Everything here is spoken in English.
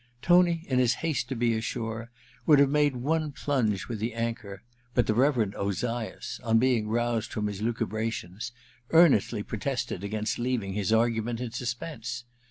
Tony, in his haste to be ashore, would have made one plunge with the anchor ; but the Reverend Ozias, on being roused from his lucubrations, earnestly protested against leaving his argument in suspense.